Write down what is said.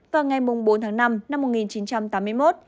vào ngày bốn tháng năm năm một nghìn chín trăm tám mươi một